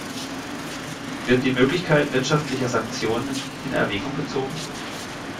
Wird die Möglichkeit wirtschaftlicher Sanktionen in Erwägung gezogen?